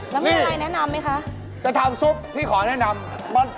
นกนังแอดนี่รังมันจะเล็กหน่อย